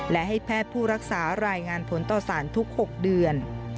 และให้แพทย์ผู้รักษารายงานผลต่อสารทุก๖เดือน